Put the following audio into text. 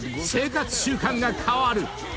［生活習慣が変わる］